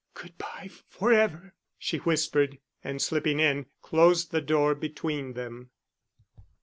"Good bye, for ever," she whispered, and slipping in, closed the door between them.